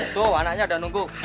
tuh anaknya udah nunggu